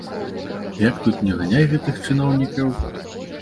Як тут не ганяй гэтых чыноўнікаў.